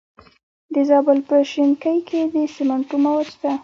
د زابل په شنکۍ کې د سمنټو مواد شته.